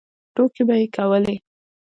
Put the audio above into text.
ټوکې به یې کولې.